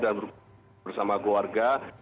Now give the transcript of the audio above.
dan bersama keluarga